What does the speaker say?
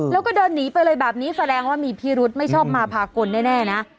แล้วก็เดินหนีไปเลยแบบนี้แสดงว่ามีพิรุษไม่ชอบมาพากลแน่นะ